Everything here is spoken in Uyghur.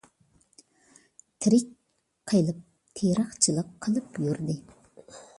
تىرىك قېلىپ، تېرىقچىلىق قىلىپ يۈردى.